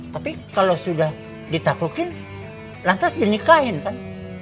tapi kalau sudah ditaklukan lantas dinikahi kan